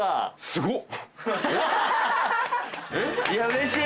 すごい。